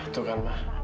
tuh kan ma